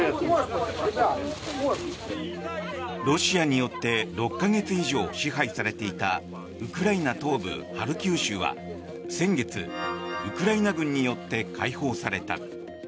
ロシアによって６か月以上、支配されていたウクライナ東部ハルキウ州は先月、ウクライナ軍によって解放された。